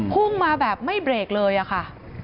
พุ่งมาแบบไม่เบรกเลยอะค่ะ